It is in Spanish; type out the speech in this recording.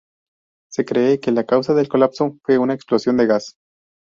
Se cree que la causa del colapso fue una explosión de gas.